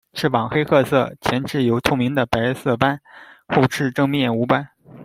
翅膀黑褐色，前翅有透明的白色斑，后翅正面无斑。